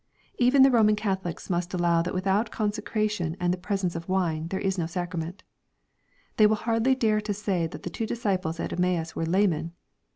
Even the Roman Catholics must allow that without consecration and the presence of wine, there is no sacrament They will hardly dare to say that the two disciples at Emmaus were laymen.